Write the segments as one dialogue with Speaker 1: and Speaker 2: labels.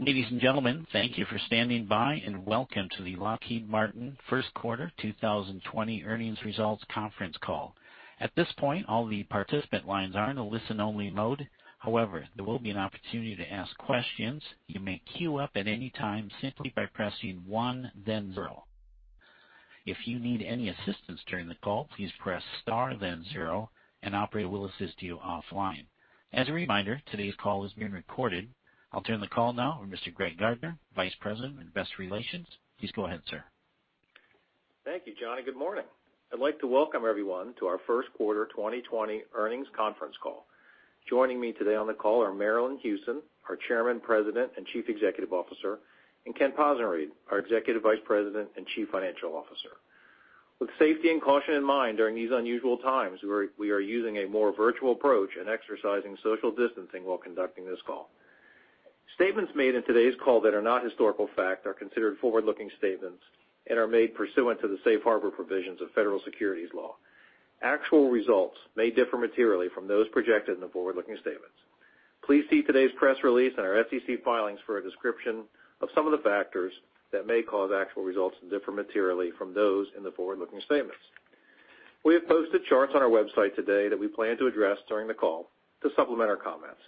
Speaker 1: Ladies and gentlemen, thank you for standing by, and welcome to the Lockheed Martin first quarter 2020 earnings results conference call. At this point, all the participant lines are in a listen-only mode. However, there will be an opportunity to ask questions. You may queue up at any time simply by pressing one, then zero. If you need any assistance during the call, please press star then zero. An operator will assist you offline. As a reminder, today's call is being recorded. I'll turn the call now over to Mr. Greg Gardner, Vice President of Investor Relations. Please go ahead, sir.
Speaker 2: Thank you, John, and good morning. I'd like to welcome everyone to our first quarter 2020 earnings conference call. Joining me today on the call are Marillyn Hewson, our Chairman, President, and Chief Executive Officer, and Ken Possenriede, our Executive Vice President and Chief Financial Officer. With safety and caution in mind during these unusual times, we are using a more virtual approach and exercising social distancing while conducting this call. Statements made in today's call that are not historical fact are considered forward-looking statements and are made pursuant to the safe harbor provisions of federal securities law. Actual results may differ materially from those projected in the forward-looking statements. Please see today's press release and our SEC filings for a description of some of the factors that may cause actual results to differ materially from those in the forward-looking statements. We have posted charts on our website today that we plan to address during the call to supplement our comments.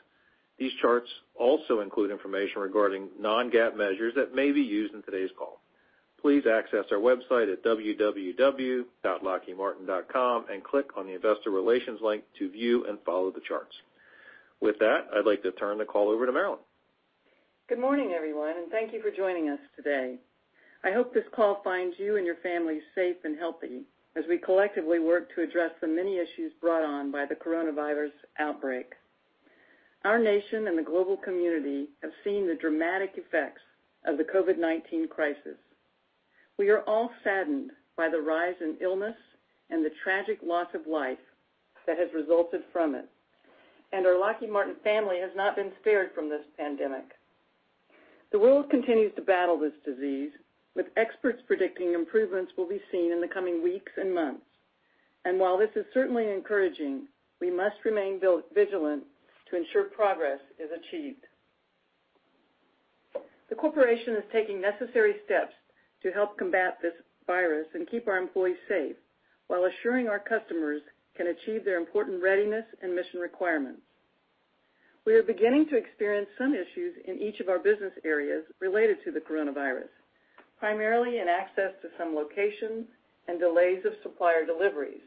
Speaker 2: These charts also include information regarding non-GAAP measures that may be used in today's call. Please access our website at www.lockheedmartin.com and click on the Investor Relations link to view and follow the charts. With that, I'd like to turn the call over to Marillyn.
Speaker 3: Good morning, everyone. Thank you for joining us today. I hope this call finds you and your family safe and healthy as we collectively work to address the many issues brought on by the coronavirus outbreak. Our nation and the global community have seen the dramatic effects of the COVID-19 crisis. We are all saddened by the rise in illness and the tragic loss of life that has resulted from it, and our Lockheed Martin family has not been spared from this pandemic. The world continues to battle this disease, with experts predicting improvements will be seen in the coming weeks and months. While this is certainly encouraging, we must remain vigilant to ensure progress is achieved. The corporation is taking necessary steps to help combat this virus and keep our employees safe while assuring our customers can achieve their important readiness and mission requirements. We are beginning to experience some issues in each of our business areas related to the coronavirus, primarily in access to some locations and delays of supplier deliveries,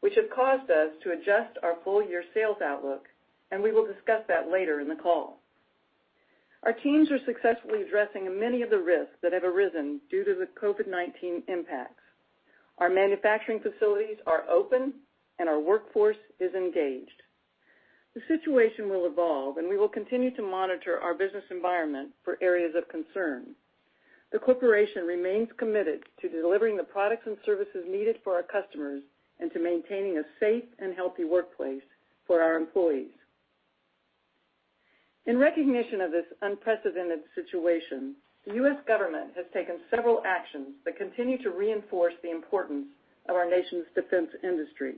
Speaker 3: which have caused us to adjust our full-year sales outlook, and we will discuss that later in the call. Our teams are successfully addressing many of the risks that have arisen due to the COVID-19 impacts. Our manufacturing facilities are open, and our workforce is engaged. The situation will evolve, and we will continue to monitor our business environment for areas of concern. The corporation remains committed to delivering the products and services needed for our customers and to maintaining a safe and healthy workplace for our employees. In recognition of this unprecedented situation, the U.S. government has taken several actions that continue to reinforce the importance of our nation's defense industry.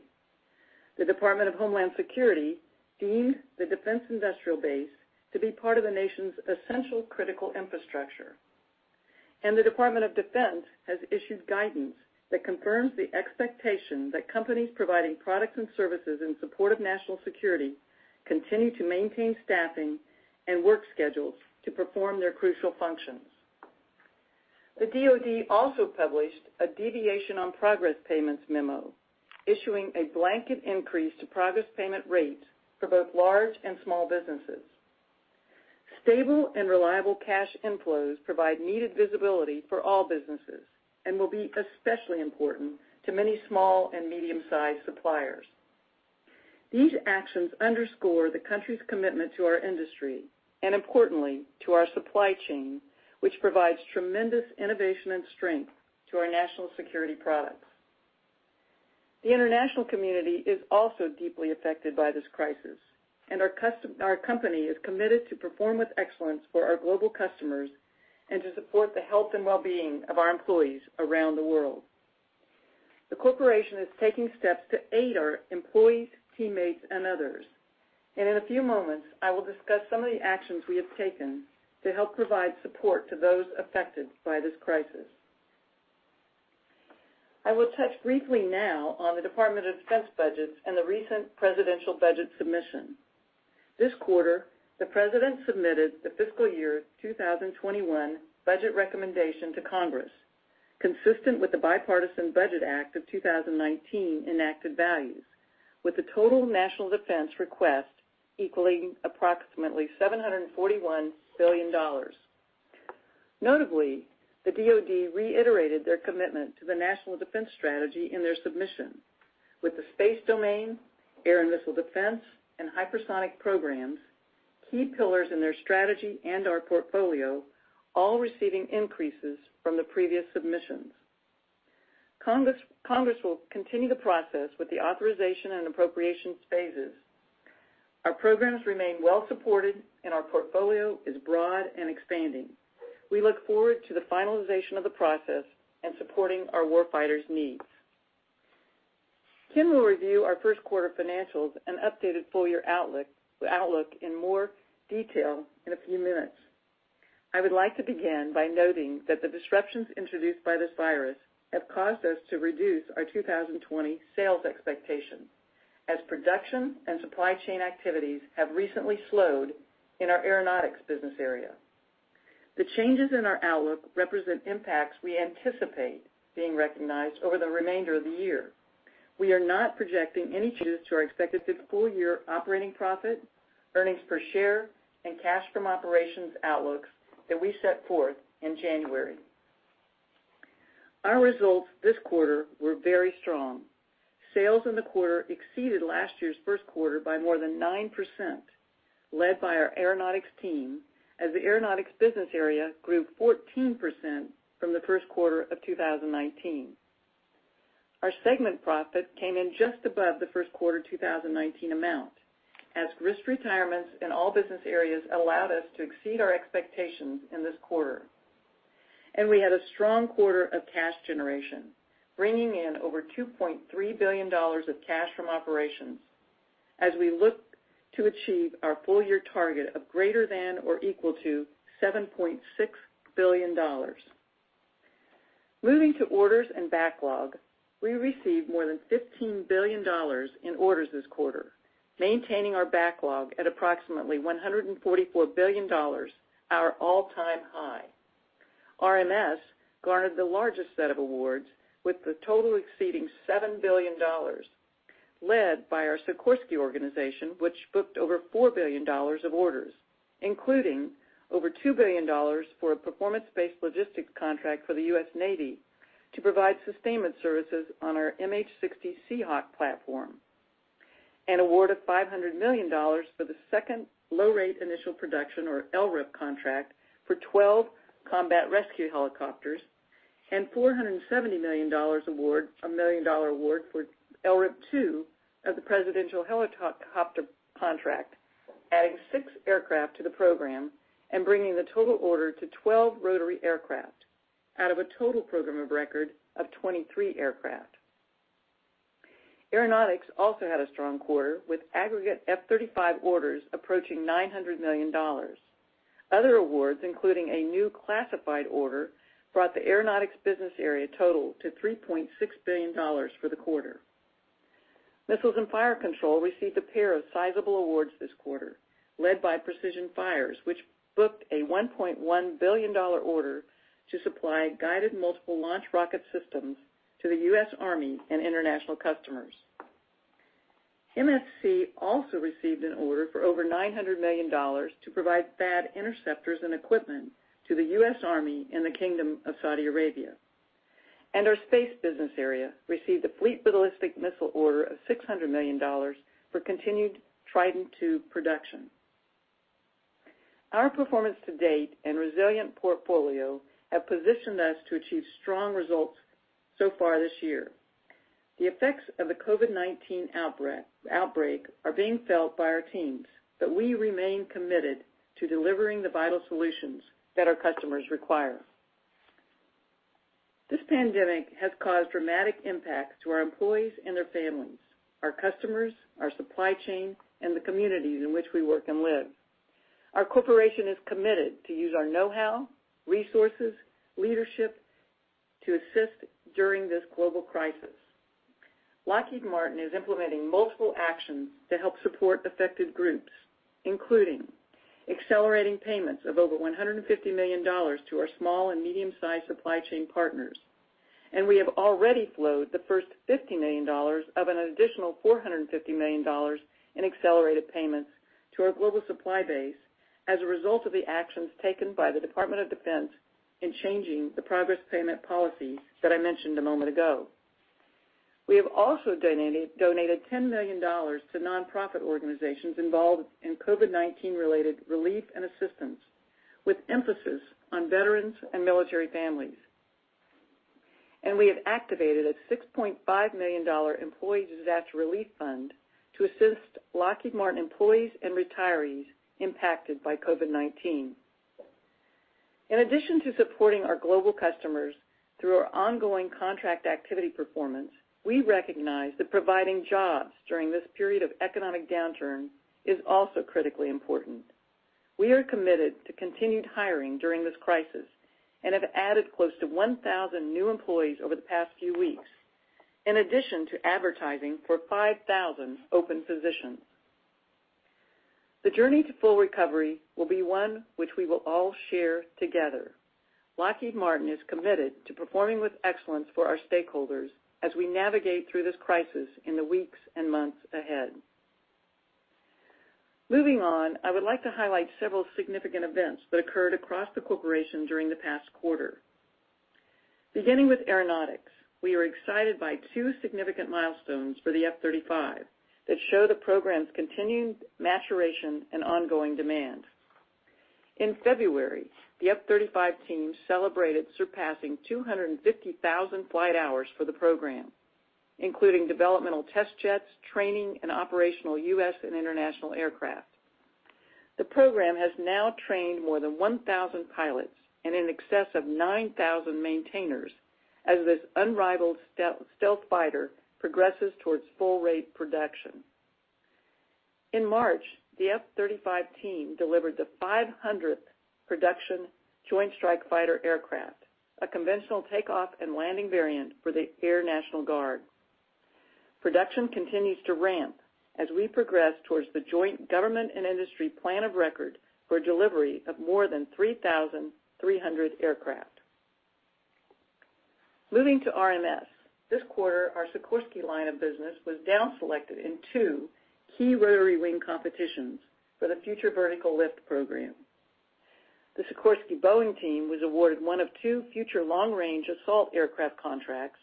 Speaker 3: The Department of Homeland Security deemed the defense industrial base to be part of the nation's essential critical infrastructure, and the Department of Defense has issued guidance that confirms the expectation that companies providing products and services in support of national security continue to maintain staffing and work schedules to perform their crucial functions. The DoD also published a deviation on progress payments memo, issuing a blanket increase to progress payment rates for both large and small businesses. Stable and reliable cash inflows provide needed visibility for all businesses and will be especially important to many small and medium-sized suppliers. These actions underscore the country's commitment to our industry and, importantly, to our supply chain, which provides tremendous innovation and strength to our national security products. The international community is also deeply affected by this crisis, and our company is committed to perform with excellence for our global customers and to support the health and well-being of our employees around the world. The corporation is taking steps to aid our employees, teammates, and others. In a few moments, I will discuss some of the actions we have taken to help provide support to those affected by this crisis. I will touch briefly now on the Department of Defense budgets and the recent presidential budget submission. This quarter, the President submitted the fiscal year 2021 budget recommendation to Congress, consistent with the Bipartisan Budget Act of 2019 enacted values, with the total national defense request equaling approximately $741 billion. Notably, the DoD reiterated their commitment to the National Defense Strategy in their submission with the space domain, air and missile defense, and hypersonic programs, key pillars in their strategy and our portfolio, all receiving increases from the previous submissions. Congress will continue the process with the authorization and appropriations phases. Our programs remain well supported, and our portfolio is broad and expanding. We look forward to the finalization of the process and supporting our war fighters' needs. Ken will review our first quarter financials and updated full-year outlook in more detail in a few minutes. I would like to begin by noting that the disruptions introduced by this virus have caused us to reduce our 2020 sales expectation, as production and supply chain activities have recently slowed in our Aeronautics business area. The changes in our outlook represent impacts we anticipate being recognized over the remainder of the year. We are not projecting any changes to our expected full-year operating profit, earnings per share, and cash from operations outlooks that we set forth in January. Our results this quarter were very strong. Sales in the quarter exceeded last year's first quarter by more than 9%, led by our Aeronautics team, as the Aeronautics business area grew 14% from the first quarter of 2019. Our segment profit came in just above the first quarter 2019 amount, as risk retirements in all business areas allowed us to exceed our expectations in this quarter. We had a strong quarter of cash generation, bringing in over $2.3 billion of cash from operations as we look to achieve our full-year target of greater than or equal to $7.6 billion. Moving to orders and backlog, we received more than $15 billion in orders this quarter, maintaining our backlog at approximately $144 billion, our all-time high. RMS garnered the largest set of awards, with the total exceeding $7 billion, led by our Sikorsky organization, which booked over $4 billion of orders. Including over $2 billion for a performance-based logistics contract for the U.S. Navy to provide sustainment services on our MH-60 Seahawk platform. An award of $500 million for the second low-rate initial production, or LRIP, contract for 12 combat rescue helicopters, $470 million award for LRIP 2 of the presidential helicopter contract, adding six aircraft to the program and bringing the total order to 12 rotary aircraft out of a total program of record of 23 aircraft. Aeronautics also had a strong quarter, with aggregate F-35 orders approaching $900 million. Other awards, including a new classified order, brought the Aeronautics business area total to $3.6 billion for the quarter. Missiles and Fire Control received a pair of sizable awards this quarter, led by Precision Fires, which booked a $1.1 billion order to supply Guided Multiple Launch Rocket Systems to the U.S. Army and international customers. MFC also received an order for over $900 million to provide THAAD interceptors and equipment to the U.S. Army and the Kingdom of Saudi Arabia. Our Space business area received a fleet ballistic missile order of $600 million for continued Trident II production. Our performance to date and resilient portfolio have positioned us to achieve strong results so far this year. The effects of the COVID-19 outbreak are being felt by our teams, but we remain committed to delivering the vital solutions that our customers require. This pandemic has caused dramatic impact to our employees and their families, our customers, our supply chain, and the communities in which we work and live. Our corporation is committed to use our know-how, resources, leadership to assist during this global crisis. Lockheed Martin is implementing multiple actions to help support affected groups, including accelerating payments of over $150 million to our small and medium-sized supply chain partners. We have already flowed the first $50 million of an additional $450 million in accelerated payments to our global supply base as a result of the actions taken by the Department of Defense in changing the progress payment policies that I mentioned a moment ago. We have also donated $10 million to nonprofit organizations involved in COVID-19 related relief and assistance, with emphasis on veterans and military families. We have activated a $6.5 million employee disaster relief fund to assist Lockheed Martin employees and retirees impacted by COVID-19. In addition to supporting our global customers through our ongoing contract activity performance, we recognize that providing jobs during this period of economic downturn is also critically important. We are committed to continued hiring during this crisis and have added close to 1,000 new employees over the past few weeks, in addition to advertising for 5,000 open positions. The journey to full recovery will be one which we will all share together. Lockheed Martin is committed to performing with excellence for our stakeholders as we navigate through this crisis in the weeks and months ahead. Moving on, I would like to highlight several significant events that occurred across the corporation during the past quarter. Beginning with Aeronautics, we are excited by two significant milestones for the F-35 that show the program's continued maturation and ongoing demand. In February, the F-35 team celebrated surpassing 250,000 flight hours for the program, including developmental test jets, training and operational U.S. and international aircraft. The program has now trained more than 1,000 pilots and in excess of 9,000 maintainers as this unrivaled stealth fighter progresses towards full rate production. In March, the F-35 team delivered the 500th production joint strike fighter aircraft, a conventional takeoff and landing variant for the Air National Guard. Production continues to ramp as we progress towards the joint government and industry plan of record for delivery of more than 3,300 aircraft. Moving to RMS. This quarter, our Sikorsky line of business was down selected in two key rotary wing competitions for the Future Vertical Lift program. The Sikorsky-Boeing team was awarded one of two Future Long-Range Assault Aircraft contracts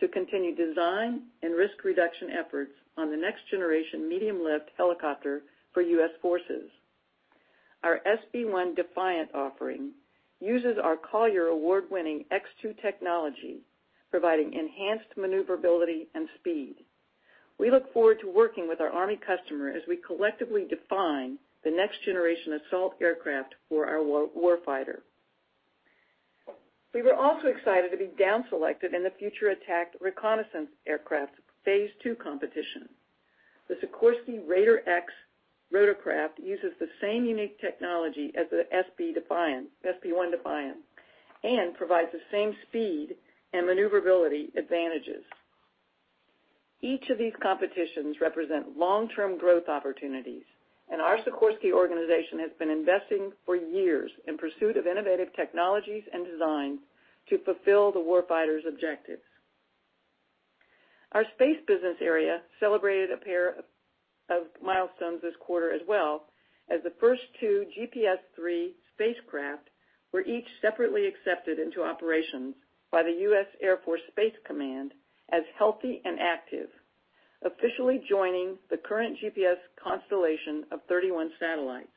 Speaker 3: to continue design and risk reduction efforts on the next generation medium lift helicopter for U.S. forces. Our SB>1 DEFIANT offering uses our Collier award-winning X2 technology, providing enhanced maneuverability and speed. We look forward to working with our Army customer as we collectively define the next generation assault aircraft for our war fighter. We were also excited to be down selected in the Future Attack Reconnaissance Aircraft's phase two competition. The Sikorsky RAIDER X rotorcraft uses the same unique technology as the SB>1 DEFIANT and provides the same speed and maneuverability advantages. Each of these competitions represent long-term growth opportunities, and our Sikorsky organization has been investing for years in pursuit of innovative technologies and designs to fulfill the war fighter's objectives. Our space business area celebrated a pair of milestones this quarter as well as the first two GPS III spacecraft were each separately accepted into operations by the U.S. Air Force Space Command as healthy and active, officially joining the current GPS constellation of 31 satellites.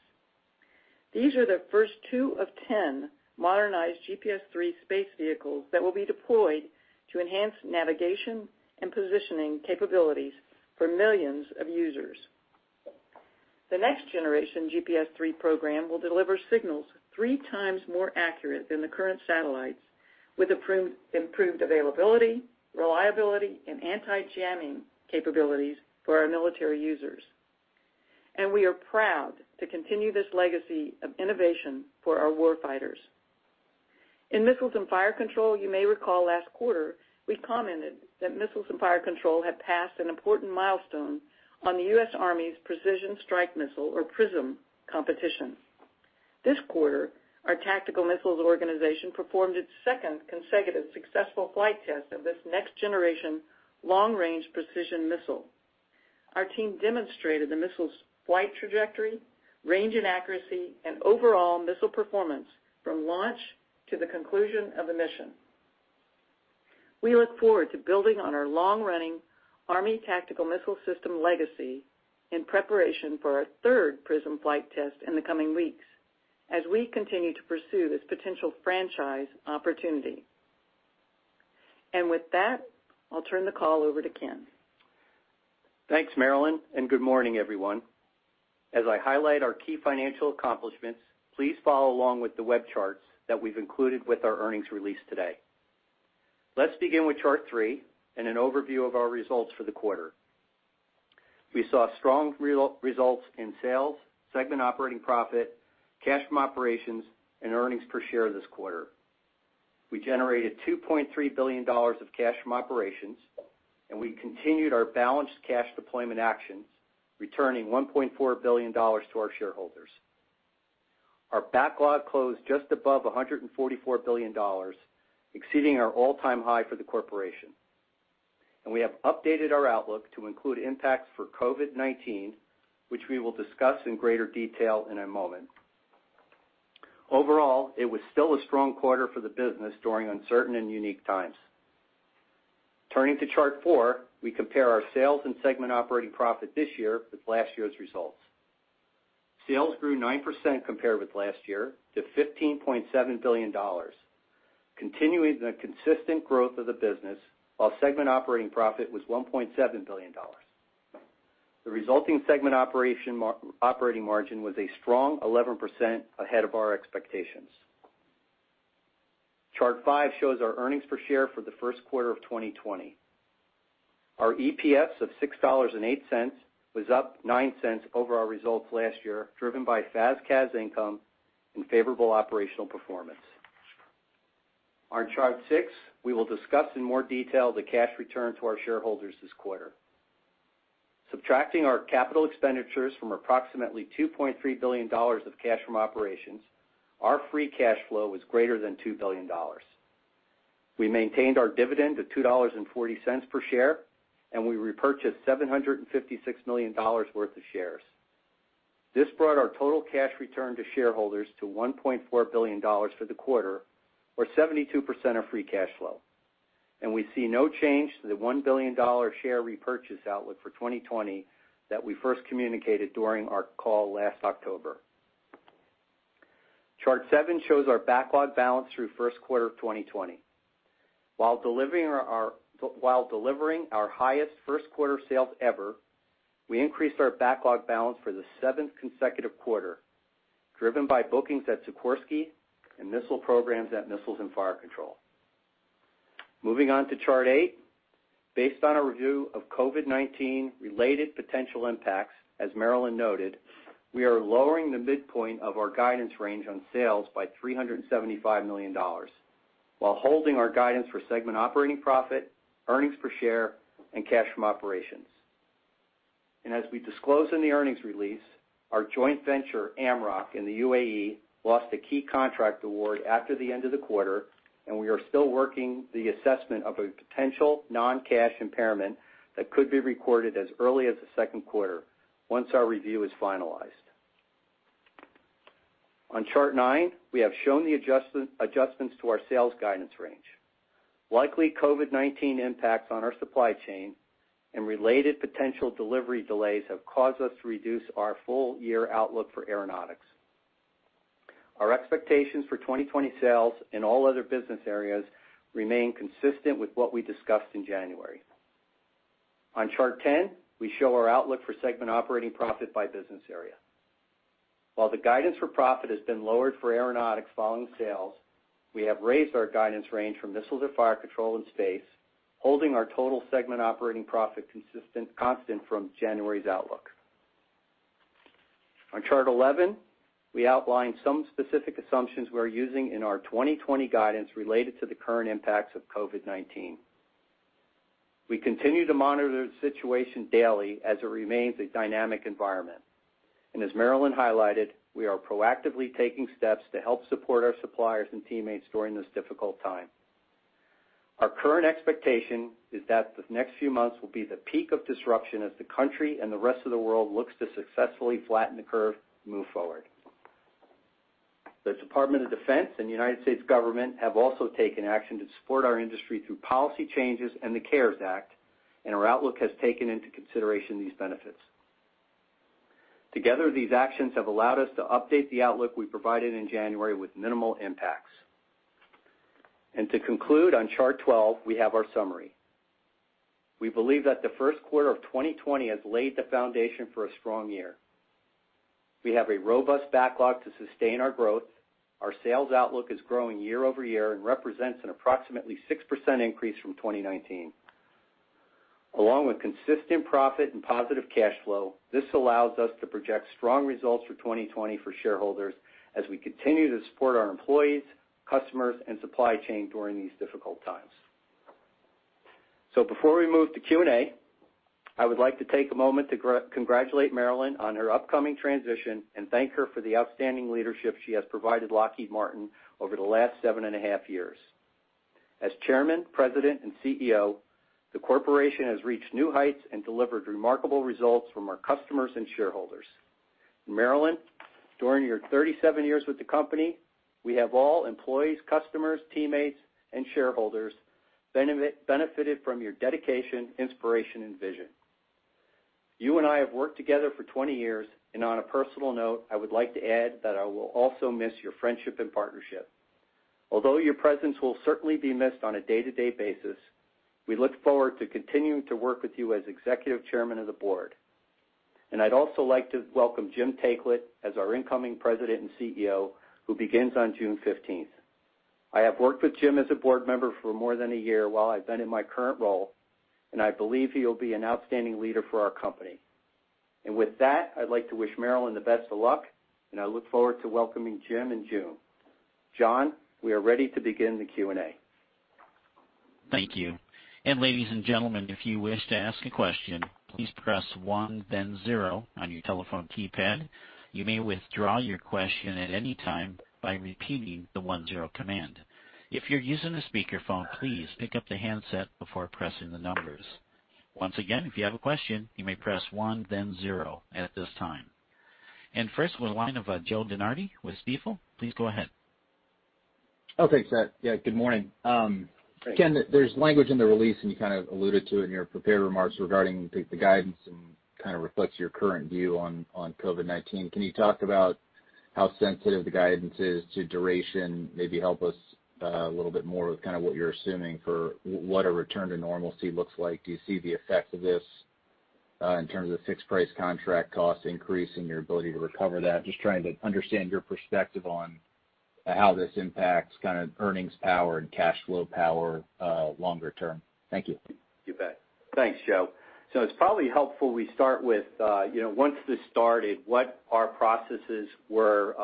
Speaker 3: These are the first two of 10 modernized GPS III space vehicles that will be deployed to enhance navigation and positioning capabilities for millions of users. The next generation GPS III program will deliver signals three times more accurate than the current satellites, with improved availability, reliability, and anti-jamming capabilities for our military users. We are proud to continue this legacy of innovation for our war fighters. In Missiles and Fire Control, you may recall last quarter we commented that Missiles and Fire Control had passed an important milestone on the U.S. Army's Precision Strike Missile or PrSM competition. This quarter, our tactical missiles organization performed its second consecutive successful flight test of this next generation long-range precision missile. Our team demonstrated the missile's flight trajectory, range, and accuracy, and overall missile performance from launch to the conclusion of the mission. We look forward to building on our long-running Army tactical missile system legacy in preparation for our third PrSM flight test in the coming weeks as we continue to pursue this potential franchise opportunity. With that, I'll turn the call over to Ken.
Speaker 4: Thanks, Marillyn, good morning, everyone. As I highlight our key financial accomplishments, please follow along with the web charts that we've included with our earnings release today. Let's begin with chart three and an overview of our results for the quarter. We saw strong results in sales, segment operating profit, cash from operations, and earnings per share this quarter. We generated $2.3 billion of cash from operations, and we continued our balanced cash deployment actions, returning $1.4 billion to our shareholders. Our backlog closed just above $144 billion, exceeding our all-time high for the corporation. We have updated our outlook to include impacts for COVID-19, which we will discuss in greater detail in a moment. Overall, it was still a strong quarter for the business during uncertain and unique times. Turning to chart four, we compare our sales and segment operating profit this year with last year's results. Sales grew 9% compared with last year to $15.7 billion, continuing the consistent growth of the business, while segment operating profit was $1.7 billion. The resulting segment operating margin was a strong 11% ahead of our expectations. Chart five shows our earnings per share for the first quarter of 2020. Our EPS of $6.08 was up $0.09 over our results last year, driven by FAS/CAS income and favorable operational performance. On chart six, we will discuss in more detail the cash return to our shareholders this quarter. Subtracting our capital expenditures from approximately $2.3 billion of cash from operations, our free cash flow was greater than $2 billion. We maintained our dividend to $2.40 per share, and we repurchased $756 million worth of shares. This brought our total cash return to shareholders to $1.4 billion for the quarter, or 72% of free cash flow. We see no change to the $1 billion share repurchase outlook for 2020 that we first communicated during our call last October. Chart seven shows our backlog balance through first quarter of 2020. While delivering our highest first quarter sales ever, we increased our backlog balance for the seventh consecutive quarter, driven by bookings at Sikorsky and missile programs at Missiles and Fire Control. Moving on to Chart eight. Based on a review of COVID-19 related potential impacts, as Marillyn noted, we are lowering the midpoint of our guidance range on sales by $375 million, while holding our guidance for segment operating profit, earnings per share, and cash from operations. As we disclose in the earnings release, our joint venture, AMMROC, in the UAE lost a key contract award after the end of the quarter, and we are still working the assessment of a potential non-cash impairment that could be recorded as early as the second quarter, once our review is finalized. On chart nine, we have shown the adjustments to our sales guidance range. Likely COVID-19 impacts on our supply chain and related potential delivery delays have caused us to reduce our full year outlook for Aeronautics. Our expectations for 2020 sales in all other business areas remain consistent with what we discussed in January. On chart 10, we show our outlook for segment operating profit by business area. While the guidance for profit has been lowered for Aeronautics following sales, we have raised our guidance range for Missiles and Fire Control and space, holding our total segment operating profit constant from January's outlook. On chart 11, we outline some specific assumptions we're using in our 2020 guidance related to the current impacts of COVID-19. We continue to monitor the situation daily as it remains a dynamic environment. As Marillyn highlighted, we are proactively taking steps to help support our suppliers and teammates during this difficult time. Our current expectation is that the next few months will be the peak of disruption as the country and the rest of the world looks to successfully flatten the curve and move forward. The Department of Defense and United States government have also taken action to support our industry through policy changes and the CARES Act. Our outlook has taken into consideration these benefits. Together, these actions have allowed us to update the outlook we provided in January with minimal impacts. To conclude, on chart 12, we have our summary. We believe that the first quarter of 2020 has laid the foundation for a strong year. We have a robust backlog to sustain our growth. Our sales outlook is growing year-over-year and represents an approximately 6% increase from 2019. Along with consistent profit and positive cash flow, this allows us to project strong results for 2020 for shareholders as we continue to support our employees, customers, and supply chain during these difficult times. Before we move to Q&A, I would like to take a moment to congratulate Marillyn on her upcoming transition and thank her for the outstanding leadership she has provided Lockheed Martin over the last seven and a half years. As Chairman, President, and CEO, the corporation has reached new heights and delivered remarkable results from our customers and shareholders. Marillyn, during your 37 years with the company, we have all, employees, customers, teammates, and shareholders, benefited from your dedication, inspiration, and vision. You and I have worked together for 20 years. On a personal note, I would like to add that I will also miss your friendship and partnership. Although your presence will certainly be missed on a day-to-day basis, we look forward to continuing to work with you as Executive Chairman of the Board. I'd also like to welcome Jim Taiclet as our incoming President and CEO, who begins on June 15th. I have worked with Jim as a board member for more than a year while I've been in my current role, and I believe he'll be an outstanding leader for our company. With that, I'd like to wish Marillyn the best of luck, and I look forward to welcoming Jim in June. John, we are ready to begin the Q&A.
Speaker 1: Thank you. Ladies and gentlemen, if you wish to ask a question, please press one then zero on your telephone keypad. You may withdraw your question at any time by repeating the one zero command. If you're using a speakerphone, please pick up the handset before pressing the numbers. Once again, if you have a question, you may press one then zero at this time. First, we have the line of Joe DeNardi with Stifel. Please go ahead.
Speaker 5: Okay, Seth. Yeah, good morning.
Speaker 4: Great.
Speaker 5: Ken, there's language in the release, and you kind of alluded to it in your prepared remarks regarding, I think, the guidance and kind of reflects your current view on COVID-19. Can you talk about how sensitive the guidance is to duration? Maybe help us a little bit more with kind of what you're assuming for what a return to normalcy looks like. Do you see the effects of this in terms of the fixed price contract cost increase and your ability to recover that? Just trying to understand your perspective on how this impacts kind of earnings power and cash flow power longer term. Thank you.
Speaker 4: You bet. Thanks, Joe. It's probably helpful we start with, once this started, what our processes were.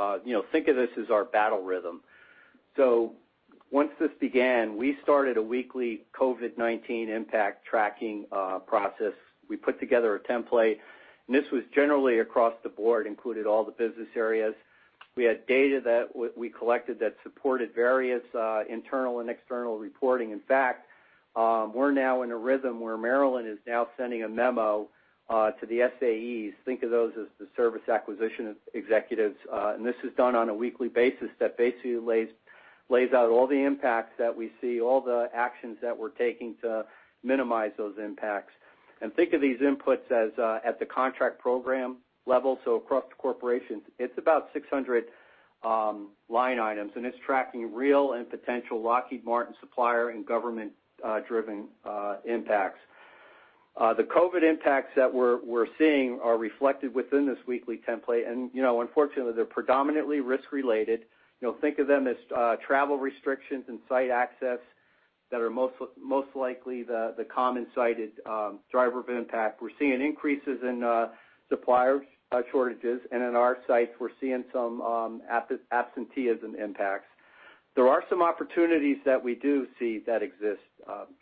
Speaker 4: Think of this as our battle rhythm. Once this began, we started a weekly COVID-19 impact tracking process. We put together a template, this was generally across the board, included all the business areas. We had data that we collected that supported various internal and external reporting. In fact, we're now in a rhythm where Marillyn is now sending a memo to the SAEs, think of those as the Service Acquisition Executives. This is done on a weekly basis that basically lays out all the impacts that we see, all the actions that we're taking to minimize those impacts. Think of these inputs as at the contract program level, so across the corporation. It's about 600 line items, and it's tracking real and potential Lockheed Martin supplier and government-driven impacts. The COVID impacts that we're seeing are reflected within this weekly template, and unfortunately, they're predominantly risk-related. Think of them as travel restrictions and site access that are most likely the common cited driver of impact. We're seeing increases in supplier shortages, and in our sites, we're seeing some absenteeism impacts. There are some opportunities that we do see that exist,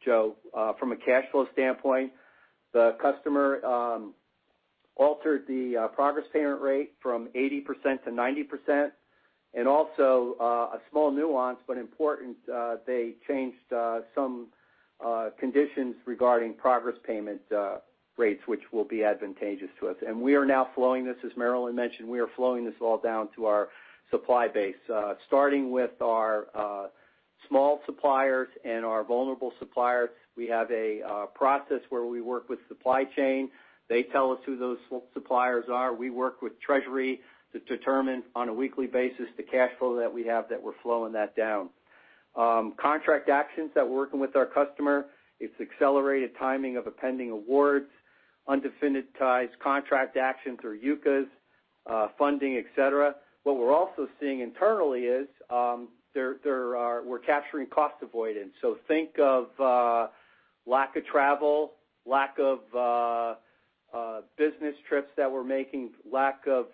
Speaker 4: Joe. From a cash flow standpoint, the customer altered the progress payment rate from 80% to 90%, and also a small nuance, but important, they changed some conditions regarding progress payment rates, which will be advantageous to us. We are now flowing this, as Marillyn mentioned, we are flowing this all down to our supply base. Starting with our small suppliers and our vulnerable suppliers, we have a process where we work with supply chain. They tell us who those suppliers are. We work with treasury to determine on a weekly basis the cash flow that we have that we're flowing that down. Contract actions that we're working with our customer, it's accelerated timing of appending awards, Undefinitized Contract Actions or UCAs, funding, et cetera. We're also seeing internally is we're capturing cost avoidance. Think of lack of travel, lack of business trips that we're making, lack of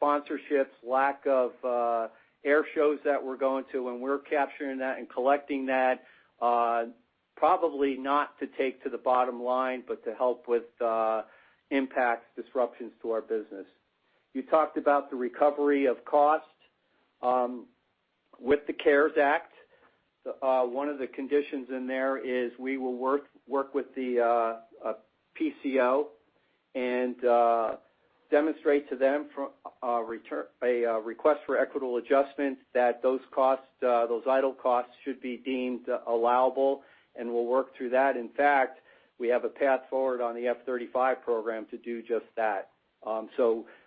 Speaker 4: sponsorships, lack of air shows that we're going to, and we're capturing that and collecting that, probably not to take to the bottom line, but to help with impacts, disruptions to our business. You talked about the recovery of cost with the CARES Act. One of the conditions in there is we will work with the PCO and demonstrate to them a request for equitable adjustment that those idle costs should be deemed allowable, and we'll work through that. In fact, we have a path forward on the F-35 program to do just that.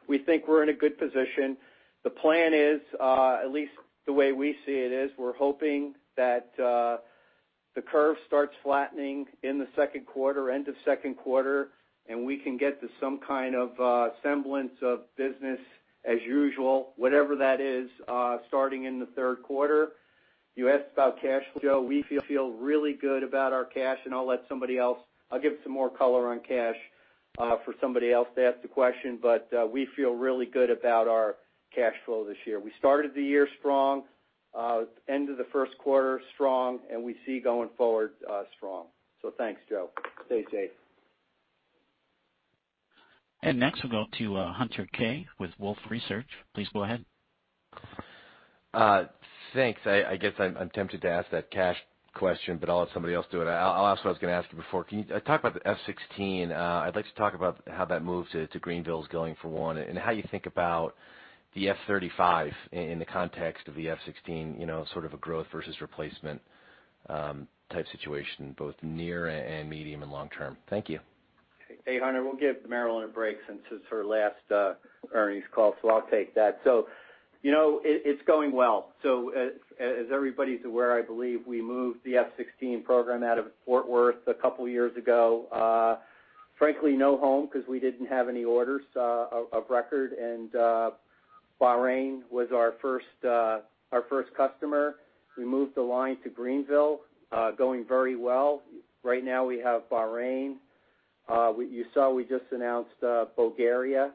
Speaker 4: We think we're in a good position. The plan is, at least the way we see it is, we're hoping that the curve starts flattening in the second quarter, end of second quarter, and we can get to some kind of semblance of business as usual, whatever that is, starting in the third quarter. You asked about cash flow, Joe. We feel really good about our cash, I'll give some more color on cash for somebody else to ask the question, we feel really good about our cash flow this year. We started the year strong, end of the first quarter strong, and we see going forward strong. thanks, Joe. Stay safe.
Speaker 1: Next we'll go to Hunter Keay with Wolfe Research. Please go ahead.
Speaker 6: Thanks. I guess I'm tempted to ask that cash question, but I'll let somebody else do it. I'll ask what I was going to ask you before. Can you talk about the F-16? I'd like to talk about how that move to Greenville is going, for one, and how you think about the F-35 in the context of the F-16, sort of a growth versus replacement type situation, both near and medium and long-term. Thank you.
Speaker 4: Hey, Hunter. We'll give Marillyn a break since it's her last earnings call, I'll take that. It's going well. As everybody's aware, I believe we moved the F-16 program out of Fort Worth a couple of years ago. Frankly, no home because we didn't have any orders of record, and Bahrain was our first customer. We moved the line to Greenville, going very well. Right now, we have Bahrain. You saw we just announced Bulgaria.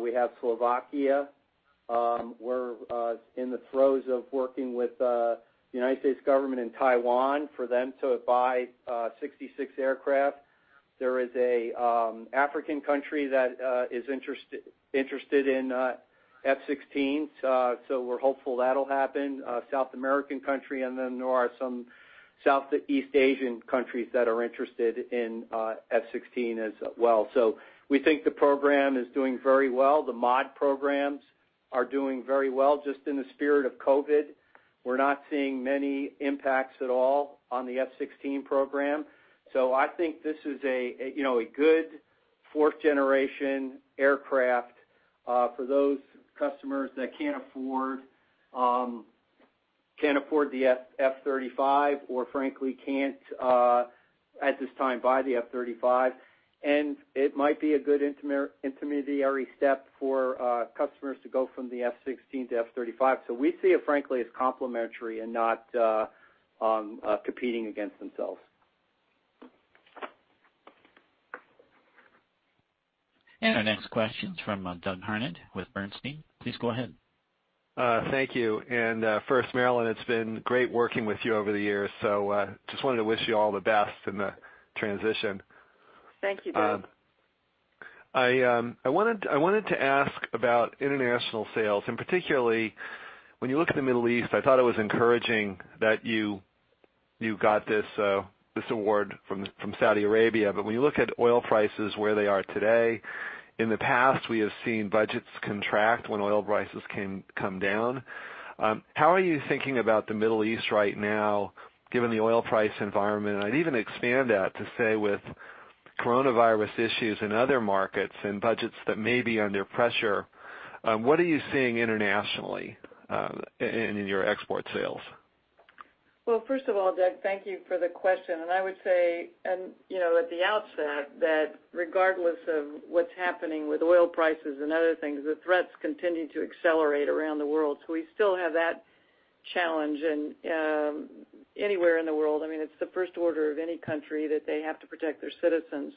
Speaker 4: We have Slovakia. We're in the throes of working with the U.S. government and Taiwan for them to buy 66 aircraft. There is an African country that is interested in F-16s, we're hopeful that'll happen. A South American country, there are some Southeast Asian countries that are interested in F-16 as well. We think the program is doing very well. The mod programs are doing very well. Just in the spirit of COVID, we're not seeing many impacts at all on the F-16 program. I think this is a good fourth-generation aircraft for those customers that can't afford the F-35 or frankly can't, at this time, buy the F-35, and it might be a good intermediary step for customers to go from the F-16 to F-35. We see it, frankly, as complementary and not competing against themselves.
Speaker 1: Our next question is from Doug Harned with Bernstein. Please go ahead.
Speaker 7: Thank you. First, Marillyn, it's been great working with you over the years, so just wanted to wish you all the best in the transition.
Speaker 3: Thank you, Doug.
Speaker 7: I wanted to ask about international sales, particularly when you look at the Middle East, I thought it was encouraging that you got this award from Saudi Arabia. When you look at oil prices where they are today, in the past, we have seen budgets contract when oil prices come down. How are you thinking about the Middle East right now, given the oil price environment? I'd even expand that to say with coronavirus issues in other markets and budgets that may be under pressure, what are you seeing internationally in your export sales?
Speaker 3: First of all, Doug, thank you for the question. I would say, at the outset, that regardless of what's happening with oil prices and other things, the threats continue to accelerate around the world. We still have that challenge, and anywhere in the world, it's the first order of any country that they have to protect their citizens.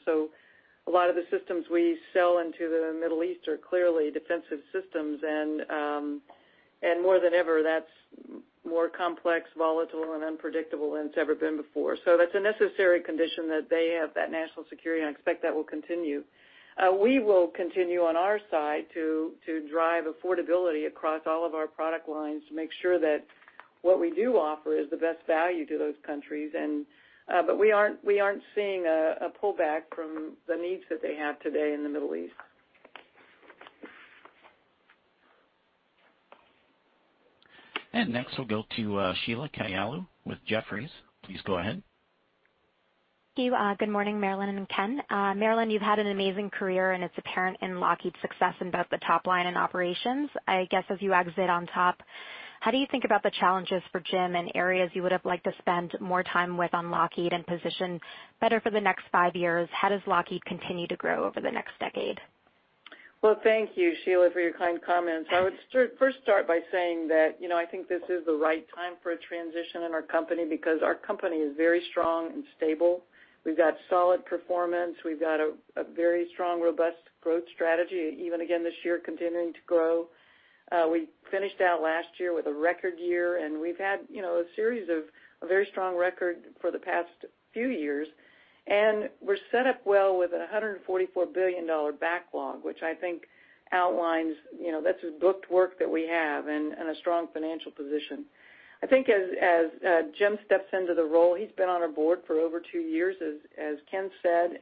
Speaker 3: A lot of the systems we sell into the Middle East are clearly defensive systems, and more than ever, that's more complex, volatile, and unpredictable than it's ever been before. That's a necessary condition that they have that national security, and I expect that will continue. We will continue on our side to drive affordability across all of our product lines to make sure that what we do offer is the best value to those countries. We aren't seeing a pullback from the needs that they have today in the Middle East.
Speaker 1: Next, we'll go to Sheila Kahyaoglu with Jefferies. Please go ahead.
Speaker 8: Thank you. Good morning, Marillyn and Ken. Marillyn, you've had an amazing career, and it's apparent in Lockheed's success in both the top line and operations. I guess, as you exit on top, how do you think about the challenges for Jim and areas you would have liked to spend more time with on Lockheed and position better for the next five years? How does Lockheed continue to grow over the next decade?
Speaker 3: Well, thank you, Sheila, for your kind comments. I would first start by saying that I think this is the right time for a transition in our company because our company is very strong and stable. We've got solid performance. We've got a very strong, robust growth strategy, even again this year, continuing to grow. We finished out last year with a record year. We've had a series of a very strong record for the past few years. We're set up well with a $144 billion backlog, which I think outlines that's a booked work that we have and a strong financial position. I think as Jim steps into the role, he's been on our board for over two years, as Ken said.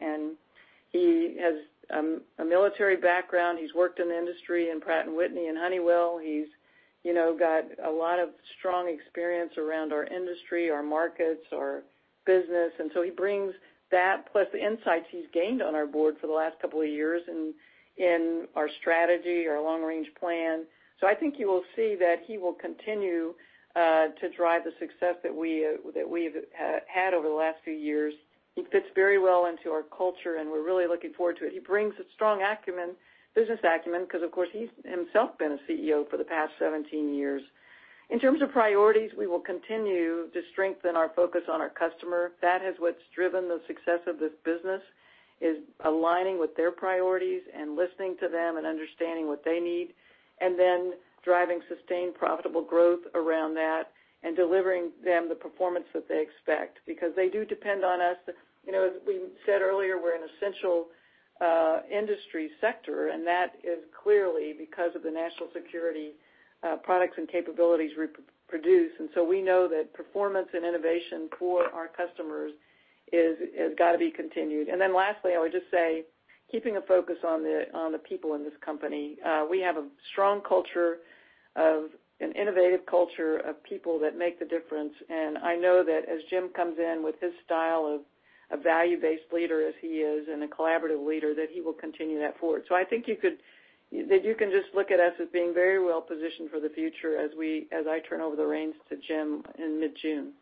Speaker 3: He has a military background. He's worked in the industry in Pratt & Whitney and Honeywell. He's got a lot of strong experience around our industry, our markets, our business, and so he brings that plus the insights he's gained on our board for the last couple of years in our strategy, our long-range plan. I think you will see that he will continue to drive the success that we've had over the last few years. He fits very well into our culture, and we're really looking forward to it. He brings a strong acumen, business acumen, because, of course, he's himself been a CEO for the past 17 years. In terms of priorities, we will continue to strengthen our focus on our customer. That is what's driven the success of this business is aligning with their priorities and listening to them and understanding what they need, and then driving sustained profitable growth around that and delivering them the performance that they expect, because they do depend on us. As we said earlier, we're an essential industry sector, and that is clearly because of the national security products and capabilities we produce, and so we know that performance and innovation for our customers has got to be continued. Lastly, I would just say, keeping a focus on the people in this company. We have a strong culture of an innovative culture of people that make the difference. I know that as Jim comes in with his style of a value-based leader as he is and a collaborative leader, that he will continue that forward. I think that you can just look at us as being very well positioned for the future as I turn over the reins to Jim in mid-June.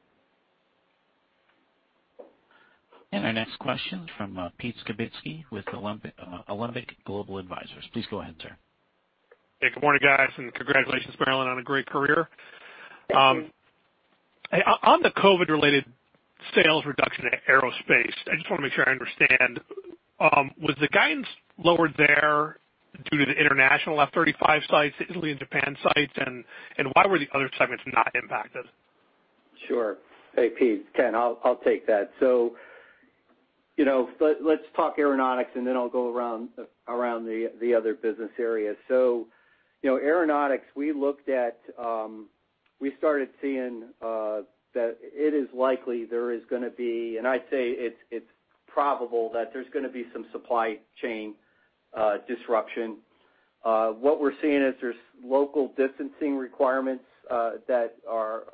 Speaker 1: Our next question from Pete Skibitski with Alembic Global Advisors. Please go ahead, sir.
Speaker 9: Hey, good morning, guys, and congratulations, Marillyn, on a great career.
Speaker 3: Thank you.
Speaker 9: On the COVID-related sales reduction at Aeronautics, I just want to make sure I understand. Was the guidance lowered there due to the international F-35 sites, Italy and Japan sites, and why were the other segments not impacted?
Speaker 4: Sure. Hey, Pete, Ken, I'll take that. Let's talk Aeronautics, then I'll go around the other business areas. Aeronautics, we started seeing that it is likely there is going to be, I'd say it's probable that there's going to be some supply chain disruption. What we're seeing is there's local distancing requirements that are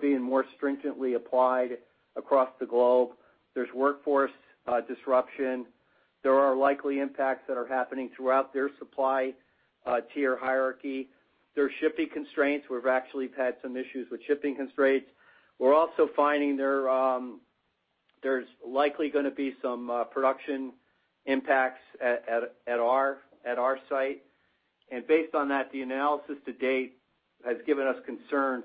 Speaker 4: being more stringently applied across the globe. There's workforce disruption. There are likely impacts that are happening throughout their supply tier hierarchy. There are shipping constraints. We've actually had some issues with shipping constraints. We're also finding there's likely going to be some production impacts at our site. Based on that, the analysis to date has given us concern.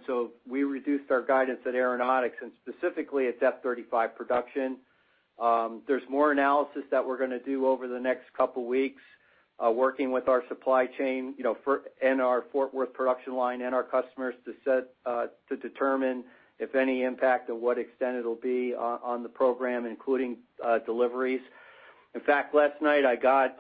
Speaker 4: We reduced our guidance at Aeronautics and specifically at F-35 production. There's more analysis that we're going to do over the next couple of weeks, working with our supply chain, and our Fort Worth production line and our customers to determine if any impact and what extent it'll be on the program, including deliveries. In fact, last night I got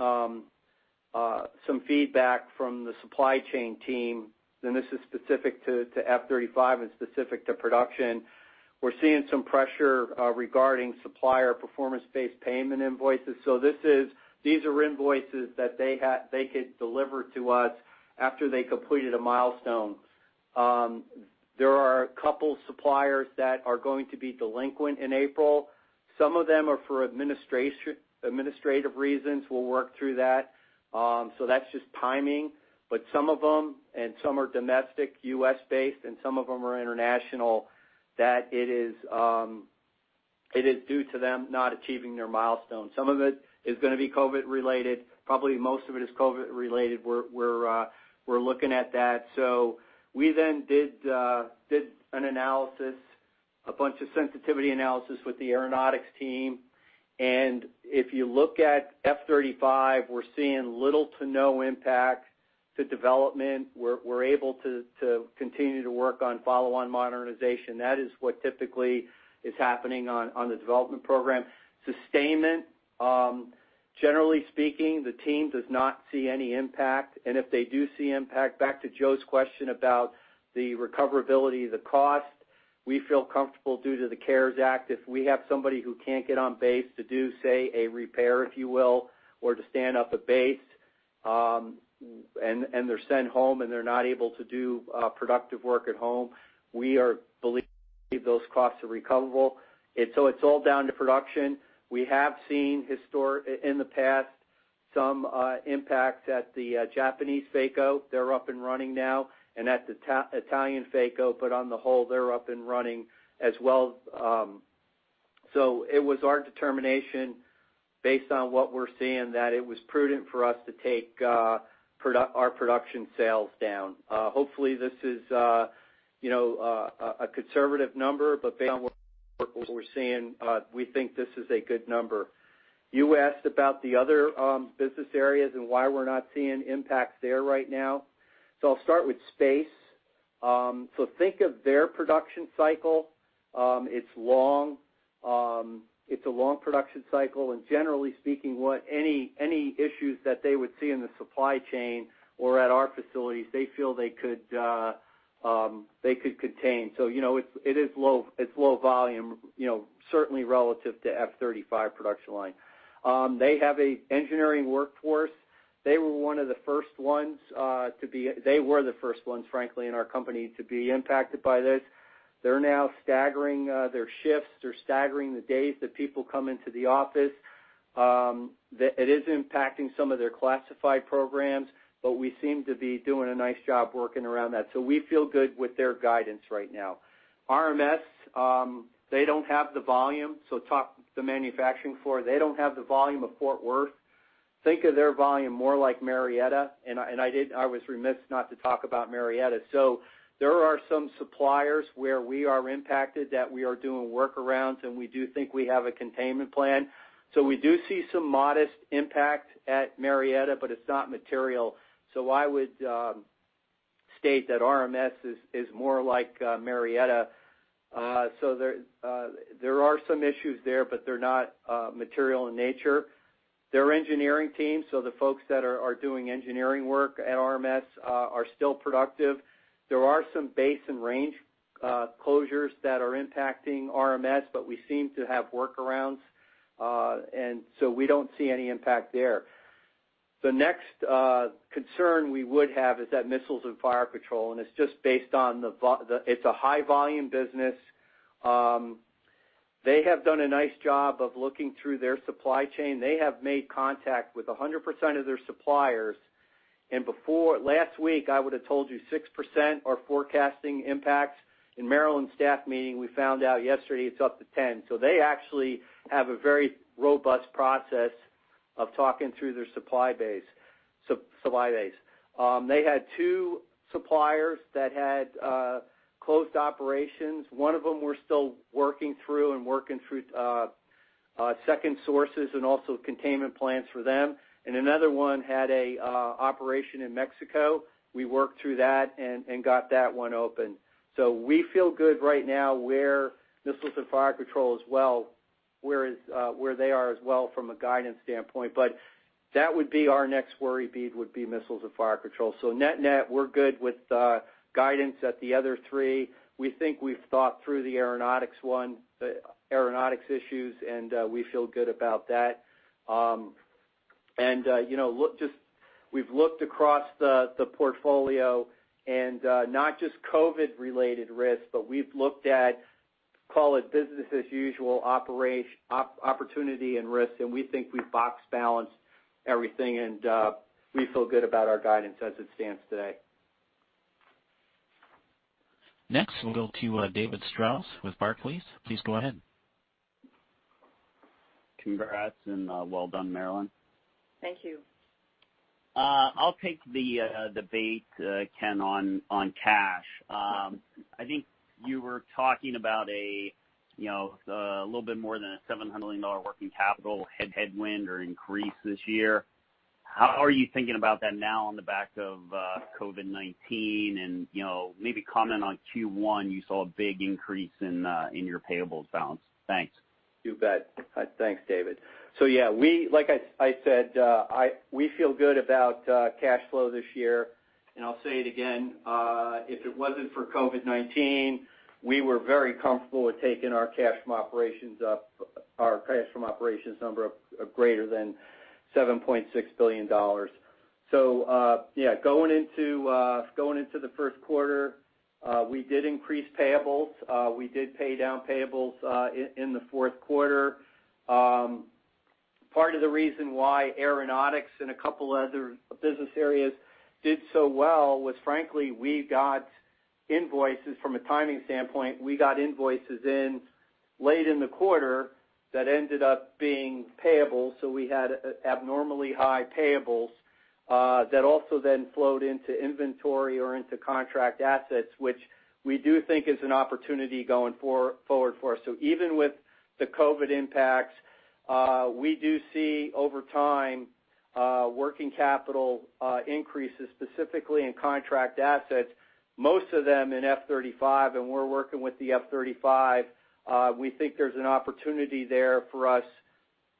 Speaker 4: some feedback from the supply chain team, and this is specific to F-35 and specific to production. We're seeing some pressure regarding supplier performance-based payment invoices. These are invoices that they could deliver to us after they completed a milestone. There are a couple suppliers that are going to be delinquent in April. Some of them are for administrative reasons. We'll work through that. That's just timing. Some of them, and some are domestic, U.S.-based, and some of them are international, that it is due to them not achieving their milestones. Some of it is going to be COVID related. Probably most of it is COVID related. We're looking at that. We then did an analysis, a bunch of sensitivity analysis with the Aeronautics team. If you look at F-35, we're seeing little to no impact to development. We're able to continue to work on follow-on modernization. That is what typically is happening on the development program. Sustainment, generally speaking, the team does not see any impact. If they do see impact, back to Joe's question about the recoverability of the cost, we feel comfortable due to the CARES Act, if we have somebody who can't get on base to do, say, a repair, if you will, or to stand up a base, and they're sent home and they're not able to do productive work at home, we believe those costs are recoverable. It's all down to production. We have seen, in the past, some impacts at the Japanese FACO. They're up and running now, and at the Italian FACO, but on the whole, they're up and running as well. It was our determination, based on what we're seeing, that it was prudent for us to take our production sales down. Hopefully, this is a conservative number, but based on what we're seeing, we think this is a good number. You asked about the other business areas and why we're not seeing impacts there right now. I'll start with Space. Think of their production cycle. It's a long production cycle, and generally speaking, any issues that they would see in the supply chain or at our facilities, they feel they could contain. It's low volume, certainly relative to F-35 production line. They have an engineering workforce. They were the first ones, frankly, in our company to be impacted by this. They're now staggering their shifts. They're staggering the days that people come into the office. It is impacting some of their classified programs, but we seem to be doing a nice job working around that. We feel good with their guidance right now. RMS, they don't have the volume, so talk the manufacturing floor. They don't have the volume of Fort Worth. Think of their volume more like Marietta, and I was remiss not to talk about Marietta. There are some suppliers where we are impacted that we are doing workarounds, and we do think we have a containment plan. We do see some modest impact at Marietta, but it's not material. I would state that RMS is more like Marietta. There are some issues there, but they're not material in nature. They're engineering teams, so the folks that are doing engineering work at RMS are still productive. There are some base and range closures that are impacting RMS, but we seem to have workarounds. We don't see any impact there. The next concern we would have is that Missiles and Fire Control, and it's a high volume business. They have done a nice job of looking through their supply chain. They have made contact with 100% of their suppliers. Before last week, I would have told you 6% are forecasting impacts. In Marillyn's staff meeting, we found out yesterday it's up to 10. They actually have a very robust process of talking through their supply base. They had two suppliers that had closed operations. One of them we're still working through and working through second sources and also containment plans for them. Another one had an operation in Mexico. We worked through that and got that one open. We feel good right now where Missiles and Fire Control is as well, where they are as well from a guidance standpoint. That would be our next worry bead would be Missiles and Fire Control. Net, we're good with the guidance at the other three. We think we've thought through the Aeronautics issues, and we feel good about that. We've looked across the portfolio and not just COVID related risks, but we've looked at, call it business as usual, opportunity and risks, and we think we've box balanced everything, and we feel good about our guidance as it stands today.
Speaker 1: Next, we'll go to David Strauss with Barclays. Please go ahead.
Speaker 10: Congrats, and well done, Marillyn.
Speaker 3: Thank you.
Speaker 10: I'll take the bait, Ken, on cash. I think you were talking about a little bit more than a $700 million working capital headwind or increase this year. How are you thinking about that now on the back of COVID-19? Maybe comment on Q1, you saw a big increase in your payables balance. Thanks.
Speaker 4: You bet. Thanks, David. Yeah, like I said, we feel good about cash flow this year. I'll say it again, if it wasn't for COVID-19, we were very comfortable with taking our cash from operations number of greater than $7.6 billion. Yeah, going into the first quarter, we did increase payables. We did pay down payables in the fourth quarter. Part of the reason why Aeronautics and a couple other business areas did so well was, frankly, we got invoices from a timing standpoint. We got invoices in late in the quarter that ended up being payable, so we had abnormally high payables that also then flowed into inventory or into contract assets, which we do think is an opportunity going forward for us. Even with the COVID impacts, we do see, over time, working capital increases, specifically in contract assets, most of them in F-35, and we're working with the F-35. We think there's an opportunity there for us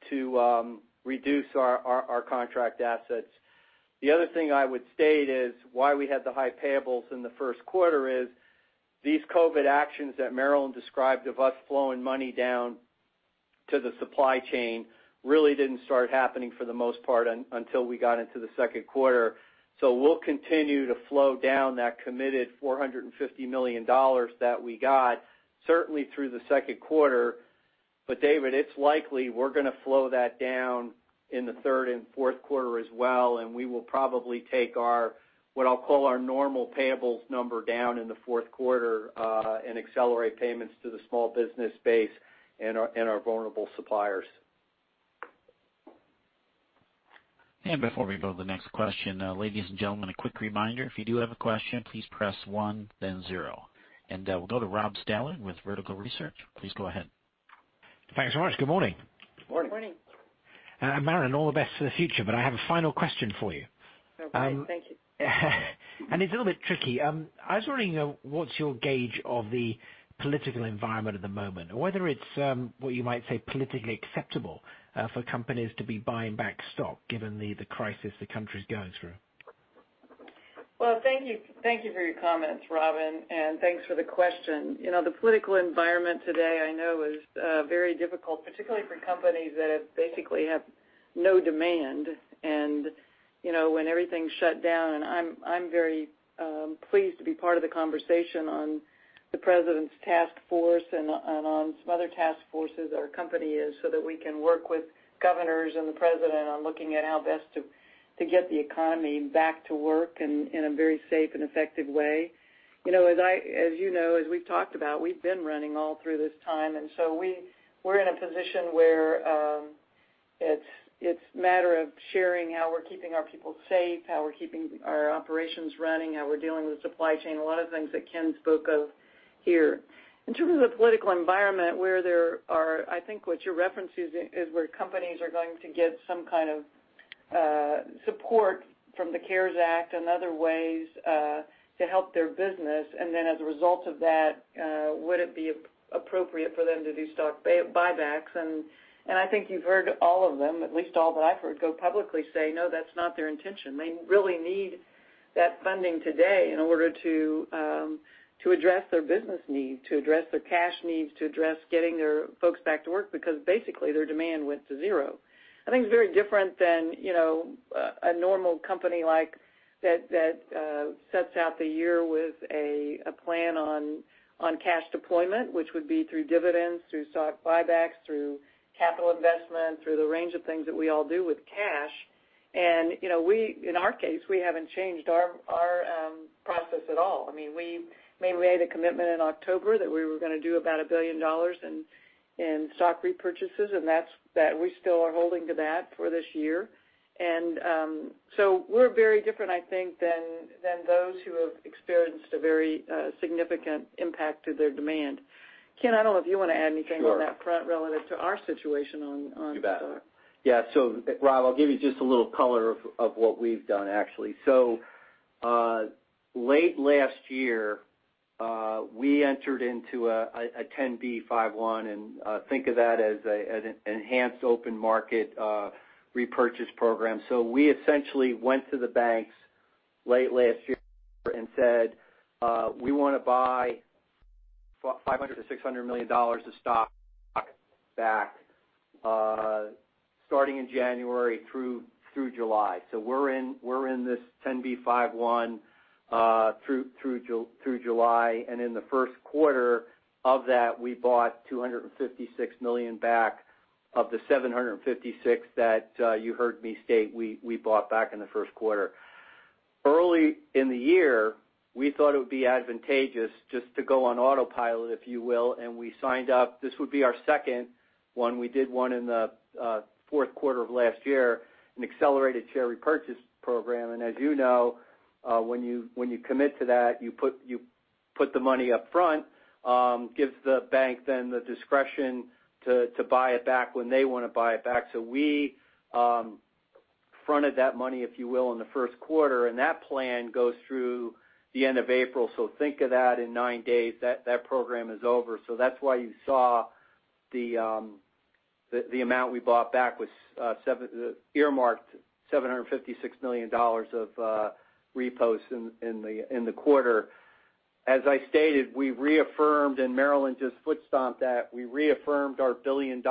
Speaker 4: to reduce our contract assets. The other thing I would state is why we had the high payables in the first quarter is these COVID actions that Marillyn described of us flowing money down to the supply chain really didn't start happening for the most part until we got into the second quarter. We'll continue to flow down that committed $450 million that we got, certainly through the second quarter. David, it's likely we're going to flow that down in the third and fourth quarter as well, and we will probably take what I'll call our normal payables number down in the fourth quarter, and accelerate payments to the small business space and our vulnerable suppliers.
Speaker 1: Before we go to the next question, ladies and gentlemen, a quick reminder. If you do have a question, please press one, then zero. We'll go to Rob Stallard with Vertical Research Partners. Please go ahead.
Speaker 11: Thanks so much. Good morning.
Speaker 4: Good morning.
Speaker 3: Good morning.
Speaker 11: Marillyn, all the best for the future. I have a final question for you.
Speaker 3: Okay. Thank you.
Speaker 11: It's a little bit tricky. I was wondering what's your gauge of the political environment at the moment, and whether it's what you might say politically acceptable for companies to be buying back stock given the crisis the country's going through?
Speaker 3: Well, thank you for your comments, Rob, thanks for the question. The political environment today I know is very difficult, particularly for companies that basically have no demand, and when everything's shut down. I'm very pleased to be part of the conversation on the President's Task Force and on some other task forces our company is so that we can work with governors and the President on looking at how best to get the economy back to work in a very safe and effective way. As you know, as we've talked about, we've been running all through this time, we're in a position where it's matter of sharing how we're keeping our people safe, how we're keeping our operations running, how we're dealing with supply chain, a lot of things that Ken spoke of here. In terms of the political environment, where there are, I think what you're referencing is where companies are going to get some kind of support from the CARES Act and other ways to help their business. Then as a result of that, would it be appropriate for them to do stock buybacks? I think you've heard all of them, at least all that I've heard, go publicly say, no, that's not their intention. They really need that funding today in order to address their business need, to address their cash needs, to address getting their folks back to work because basically, their demand went to zero. I think it's very different than a normal company that sets out the year with a plan on cash deployment, which would be through dividends, through stock buybacks, through capital investment, through the range of things that we all do with cash. In our case, we haven't changed our process at all. We made a commitment in October that we were going to do about $1 billion in stock repurchases, and we still are holding to that for this year. We're very different, I think, than those who have experienced a very significant impact to their demand. Ken, I don't know if you want to add anything on that front relative to our situation on stock.
Speaker 4: You bet. Yeah. Rob, I'll give you just a little color of what we've done, actually. Late last year, we entered into a 10b5-1, and think of that as an enhanced open market repurchase program. We essentially went to the banks late last year and said, we want to buy $500 million-$600 million of stock back starting in January through July. We're in this 10b5-1 through July, and in the first quarter of that, we bought $256 million back of the $756 million that you heard me state we bought back in the first quarter. Early in the year, we thought it would be advantageous just to go on autopilot, if you will, and we signed up. This would be our second one. We did one in the fourth quarter of last year, an accelerated share repurchase program. As you know, when you commit to that, you put the money up front, gives the bank then the discretion to buy it back when they want to buy it back. We fronted that money, if you will, in the first quarter, and that plan goes through the end of April. Think of that in nine days, that program is over. That's why you saw the amount we bought back was earmarked $756 million of repos in the quarter. As I stated, we reaffirmed, and Marillyn just foot stomped that, we reaffirmed our $1 billion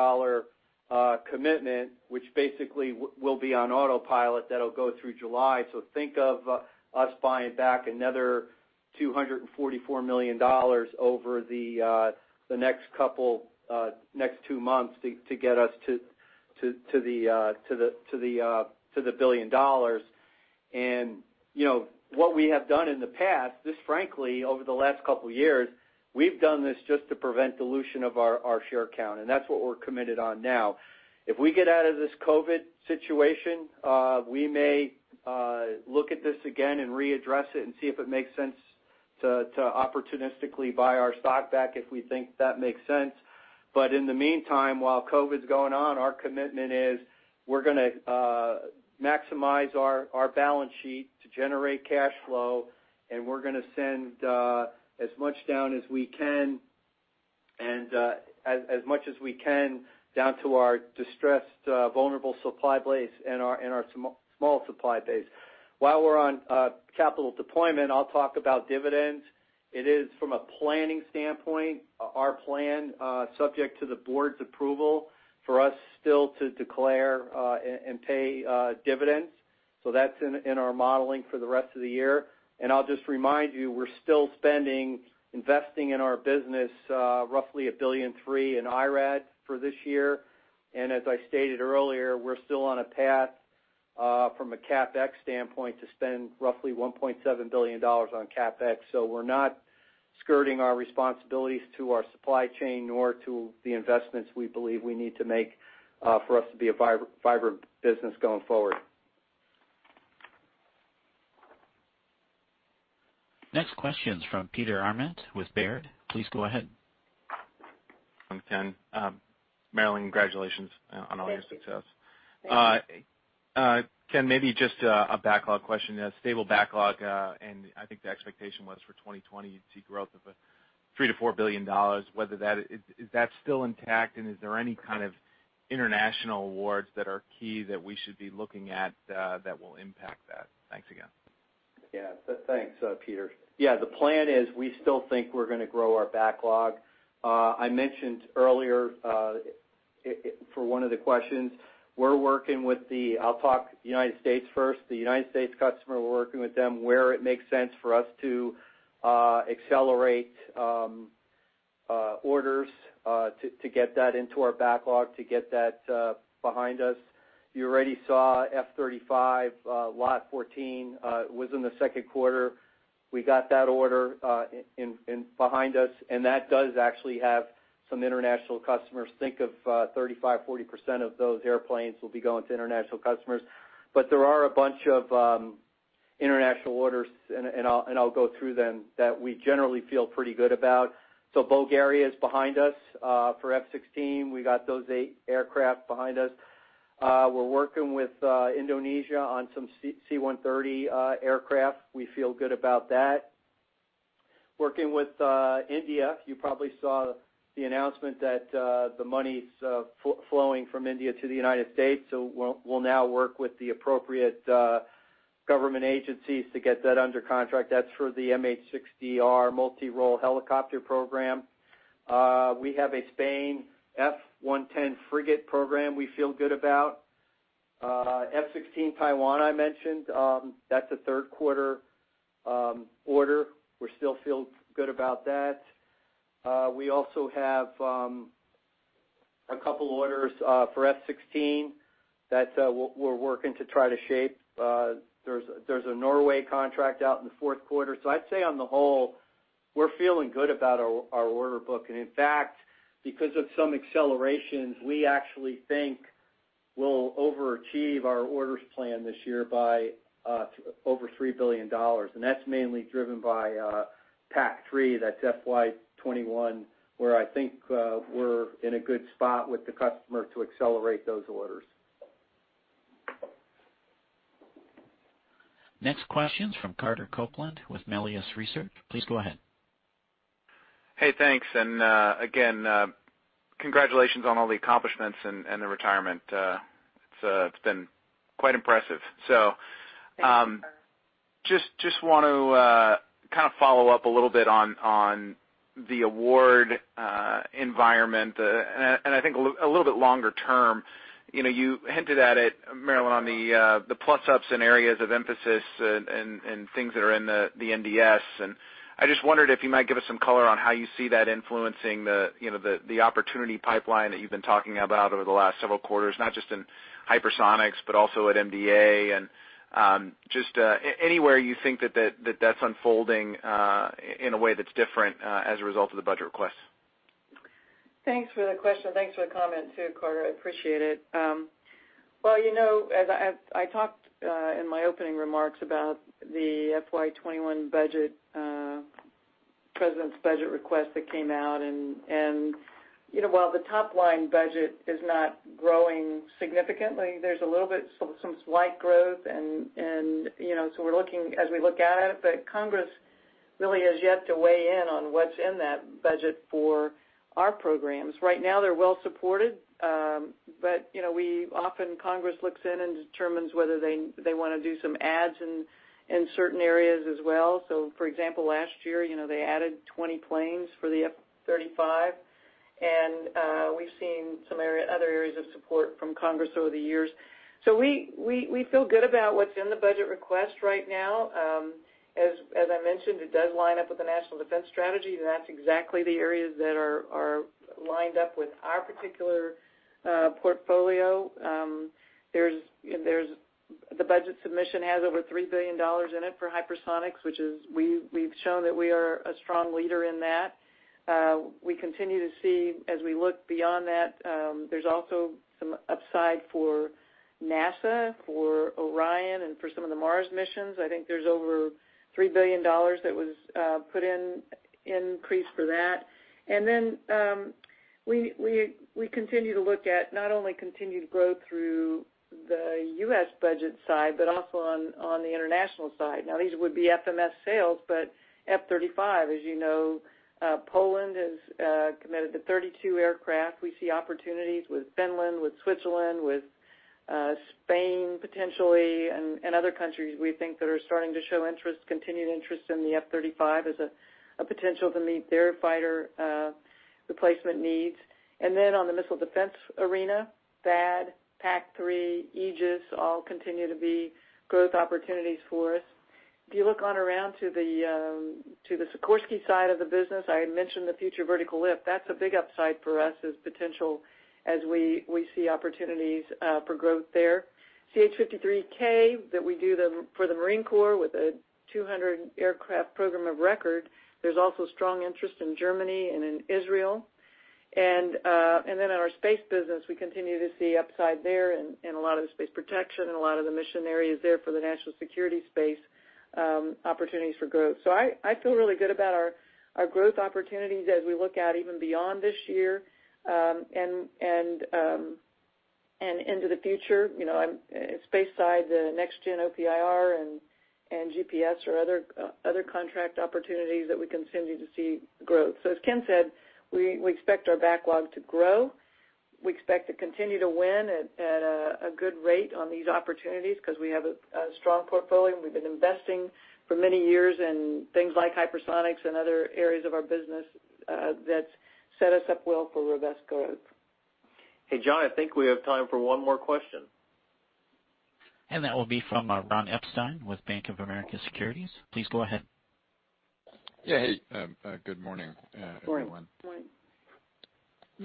Speaker 4: commitment, which basically will be on autopilot. That'll go through July. Think of us buying back another $244 million over the next two months to get us to the $1 billion. What we have done in the past, just frankly, over the last couple of years, we've done this just to prevent dilution of our share count, and that's what we're committed on now. If we get out of this COVID situation, we may look at this again and readdress it and see if it makes sense to opportunistically buy our stock back if we think that makes sense. In the meantime, while COVID's going on, our commitment is we're going to maximize our balance sheet to generate cash flow, and we're going to send as much down as we can down to our distressed, vulnerable supply base and our small supply base. While we're on capital deployment, I'll talk about dividends. It is from a planning standpoint, our plan, subject to the board's approval, for us still to declare and pay dividends. That's in our modeling for the rest of the year. I'll just remind you, we're still spending, investing in our business, roughly $1.3 billion in IRAD for this year. As I stated earlier, we're still on a path, from a CapEx standpoint, to spend roughly $1.7 billion on CapEx. We're not skirting our responsibilities to our supply chain nor to the investments we believe we need to make for us to be a vibrant business going forward.
Speaker 1: Next question's from Peter Arment with Baird. Please go ahead.
Speaker 12: Ken, Marillyn, congratulations on all your success.
Speaker 3: Thank you.
Speaker 12: Ken, maybe just a backlog question. A stable backlog. I think the expectation was for 2020, you'd see growth of $3 billion-$4 billion. Is that still intact, and is there any kind of international awards that are key that we should be looking at that will impact that? Thanks again.
Speaker 4: Thanks, Peter. The plan is we still think we're going to grow our backlog. I mentioned earlier, for one of the questions, I'll talk United States first. The United States customer, we're working with them where it makes sense for us to accelerate orders to get that into our backlog, to get that behind us. You already saw F-35, Lot 14, was in the second quarter. That does actually have some international customers. Think of 35%-40% of those airplanes will be going to international customers. There are a bunch of international orders, and I'll go through them, that we generally feel pretty good about. Bulgaria is behind us for F-16. We got those eight aircraft behind us. We're working with Indonesia on some C-130 aircraft. We feel good about that. We're working with India. You probably saw the announcement that the money's flowing from India to the United States, so we'll now work with the appropriate government agencies to get that under contract. That's for the MH-60R multi-role helicopter program. We have a Spain F-110 frigate program we feel good about. F-16 Taiwan, I mentioned. That's a third quarter order. We still feel good about that. We also have a couple orders for F-16 that we're working to try to shape. There's a Norway contract out in the fourth quarter. I'd say on the whole, we're feeling good about our order book. In fact, because of some accelerations, we actually think we'll overachieve our orders plan this year by over $3 billion. That's mainly driven by PAC-3, that's FY 2021, where I think we're in a good spot with the customer to accelerate those orders.
Speaker 1: Next question's from Carter Copeland with Melius Research. Please go ahead.
Speaker 13: Hey, thanks. Again, congratulations on all the accomplishments and the retirement. It's been quite impressive.
Speaker 3: Thank you, Carter.
Speaker 13: Just want to kind of follow up a little bit on the award environment, and I think a little bit longer term. You hinted at it, Marillyn, on the plus-ups and areas of emphasis and things that are in the NDS. I just wondered if you might give us some color on how you see that influencing the opportunity pipeline that you've been talking about over the last several quarters, not just in hypersonics, but also at MDA, and just anywhere you think that that's unfolding in a way that's different as a result of the budget requests.
Speaker 3: Thanks for the question. Thanks for the comment, too, Carter. I appreciate it. As I talked in my opening remarks about the FY 2021 budget, President's budget request that came out, while the top-line budget is not growing significantly, there's a little bit, some slight growth, as we look at it. Congress really has yet to weigh in on what's in that budget for our programs. Right now, they're well-supported. Often Congress looks in and determines whether they want to do some adds in certain areas as well. For example, last year, they added 20 planes for the F-35, we've seen some other areas of support from Congress over the years. We feel good about what's in the budget request right now. As I mentioned, it does line up with the National Defense Strategy, and that's exactly the areas that are lined up with our particular portfolio. The budget submission has over $3 billion in it for hypersonics, which we've shown that we are a strong leader in that. We continue to see as we look beyond that, there's also some upside for NASA, for Orion, and for some of the Mars missions. I think there's over $3 billion that was put in increase for that. We continue to look at not only continued growth through the U.S. budget side, but also on the international side. Now, these would be FMS sales, but F-35, as you know, Poland has committed to 32 aircraft. We see opportunities with Finland, with Switzerland, with Spain, potentially, other countries we think that are starting to show interest, continued interest in the F-35 as a potential to meet their fighter replacement needs. On the missile defense arena, THAAD, PAC-3, Aegis, all continue to be growth opportunities for us. If you look on around to the Sikorsky side of the business, I had mentioned the Future Vertical Lift. That's a big upside for us as potential as we see opportunities for growth there. CH-53K that we do for the Marine Corps with a 200 aircraft program of record. There's also strong interest in Germany and in Israel. In our space business, we continue to see upside there in a lot of the space protection and a lot of the mission areas there for the national security space opportunities for growth. I feel really good about our growth opportunities as we look out even beyond this year, and into the future. Space side, the Next Gen OPIR and GPS or other contract opportunities that we continue to see growth. As Ken said, we expect our backlog to grow. We expect to continue to win at a good rate on these opportunities because we have a strong portfolio, and we've been investing for many years in things like hypersonics and other areas of our business that's set us up well for robust growth.
Speaker 2: Hey, John, I think we have time for one more question.
Speaker 1: That will be from Ron Epstein with Bank of America Securities. Please go ahead.
Speaker 14: Yeah. Hey, good morning, everyone.
Speaker 3: Morning.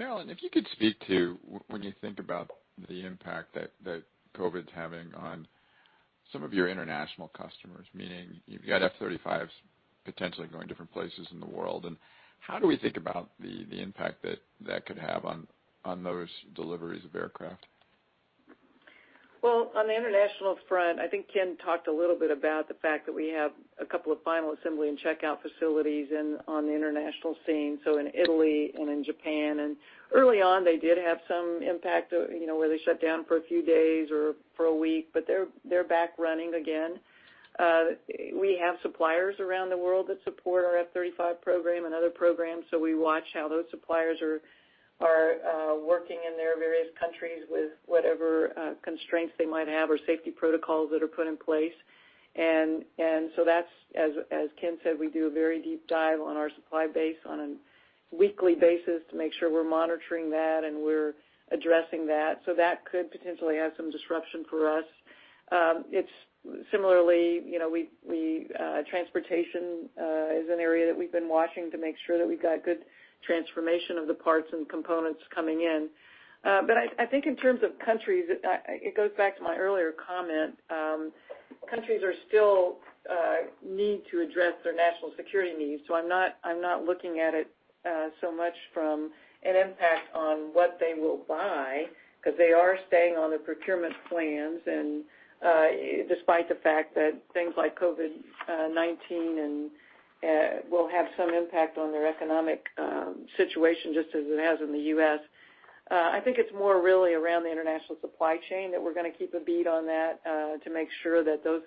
Speaker 14: Marillyn, if you could speak to when you think about the impact that COVID's having on some of your international customers, meaning you've got F-35s potentially going different places in the world, and how do we think about the impact that that could have on those deliveries of aircraft?
Speaker 3: Well, on the international front, I think Ken talked a little bit about the fact that we have a couple of final assembly and checkout facilities on the international scene, so in Italy and in Japan. Early on, they did have some impact, where they shut down for a few days or for a week, but they're back running again. We have suppliers around the world that support our F-35 program and other programs, we watch how those suppliers are working in their various countries with whatever constraints they might have or safety protocols that are put in place. That's, as Ken said, we do a very deep dive on our supply base on a weekly basis to make sure we're monitoring that and we're addressing that. That could potentially have some disruption for us. It's similarly, transportation is an area that we've been watching to make sure that we've got good transformation of the parts and components coming in. I think in terms of countries, it goes back to my earlier comment. Countries still need to address their national security needs, so I'm not looking at it so much from an impact on what they will buy because they are staying on their procurement plans, and despite the fact that things like COVID-19 will have some impact on their economic situation, just as it has in the U.S. I think it's more really around the international supply chain that we're going to keep a bead on that, to make sure that those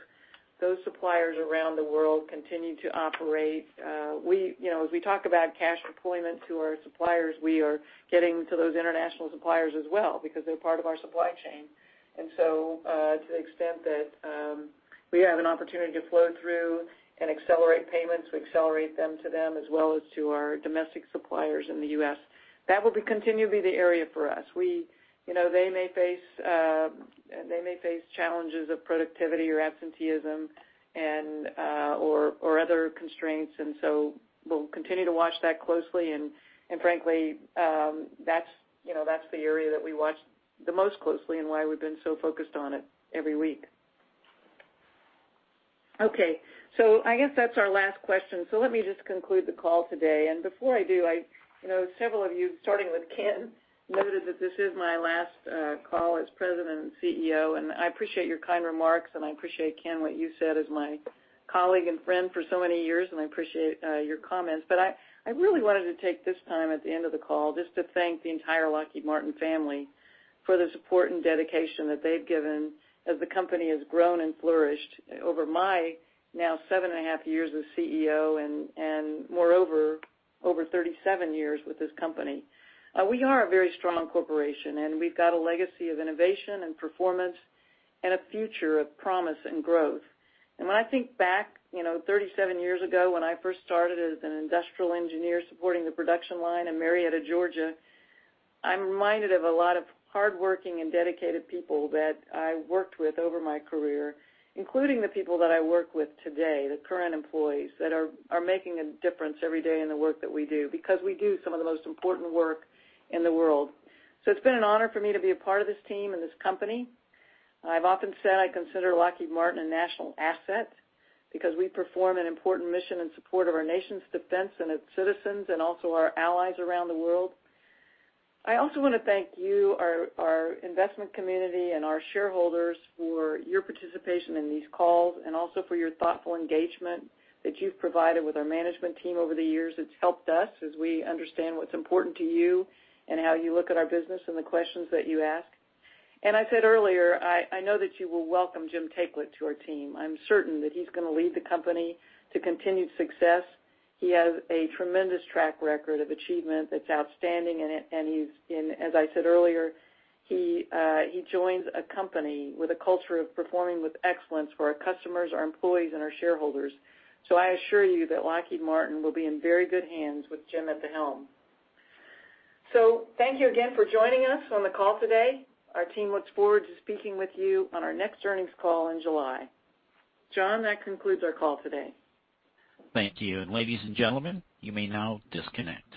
Speaker 3: suppliers around the world continue to operate. As we talk about cash deployment to our suppliers, we are getting to those international suppliers as well because they're part of our supply chain. To the extent that we have an opportunity to flow through and accelerate payments, we accelerate them to them as well as to our domestic suppliers in the U.S. That will continue to be the area for us. They may face challenges of productivity or absenteeism or other constraints, and so we'll continue to watch that closely, and frankly, that's the area that we watch the most closely and why we've been so focused on it every week. Okay. I guess that's our last question. Let me just conclude the call today. Before I do, I know several of you, starting with Ken, noted that this is my last call as President and CEO, and I appreciate your kind remarks, and I appreciate, Ken, what you said as my colleague and friend for so many years, and I appreciate your comments. I really wanted to take this time at the end of the call just to thank the entire Lockheed Martin family for the support and dedication that they've given as the company has grown and flourished over my now seven and a half years as CEO and moreover, over 37 years with this company. We are a very strong corporation, and we've got a legacy of innovation and performance and a future of promise and growth. When I think back, 37 years ago, when I first started as an industrial engineer supporting the production line in Marietta, Georgia, I'm reminded of a lot of hardworking and dedicated people that I worked with over my career, including the people that I work with today, the current employees that are making a difference every day in the work that we do, because we do some of the most important work in the world. It's been an honor for me to be a part of this team and this company. I've often said I consider Lockheed Martin a national asset because we perform an important mission in support of our nation's defense and its citizens and also our allies around the world. I also want to thank you, our investment community and our shareholders for your participation in these calls and also for your thoughtful engagement that you've provided with our management team over the years. It's helped us as we understand what's important to you and how you look at our business and the questions that you ask. I said earlier, I know that you will welcome Jim Taiclet to our team. I'm certain that he's going to lead the company to continued success. He has a tremendous track record of achievement that's outstanding, and as I said earlier, he joins a company with a culture of performing with excellence for our customers, our employees, and our shareholders. I assure you that Lockheed Martin will be in very good hands with Jim at the helm. Thank you again for joining us on the call today. Our team looks forward to speaking with you on our next earnings call in July. John, that concludes our call today.
Speaker 1: Thank you. Ladies and gentlemen, you may now disconnect.